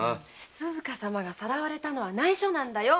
鈴加様がさらわれたことは内緒なんだよ。